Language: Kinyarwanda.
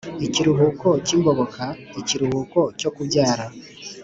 ikiruhuko cy’ingoboka, ikiruhuko cyo kubyara